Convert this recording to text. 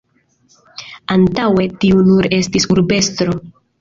Antaŭe tiu nur estis urbestro.